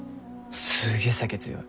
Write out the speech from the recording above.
すげえ酒強い。